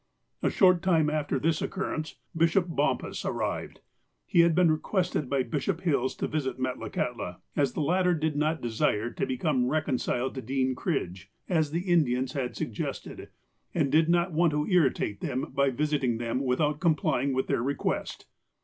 A short time after this occurrence. Bishop Bompas arrived. He had been requested by Bishop Hills to visit Metlakahtla, as the latter did not desire to become recon ciled to Dean Cridge, as the Indians had suggested, and did not want to irritate them by visiting them without complying with their request.